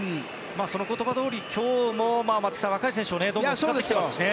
その言葉どおり今日も若い選手をどんどん使っていますね。